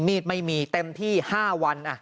ไม่มีเต็มที่๕วัน